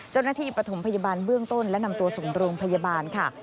เจ้าหน้าที่ปฐมพยาบาลเบื้องต้นและนำตัวสงรงพยาบาลค่ะ